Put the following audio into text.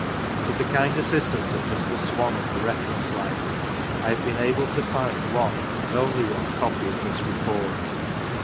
With the kind assistance of Mr. Swann, of the Reference Library, I have been able to find one (and only one) copy of this Report.